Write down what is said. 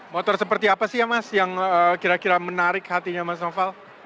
motor seperti apa sih ya mas yang kira kira menarik hatinya mas noval